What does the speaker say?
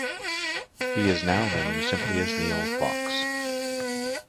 He is now known simply as Neil Fox.